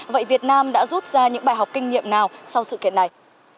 vậy việt nam đã rút ra những bài học kinh nghiệm nào sau sự kiện này